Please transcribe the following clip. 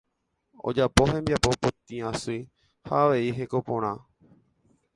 Ojapo hembiapo potĩ asy ha avei heko porã.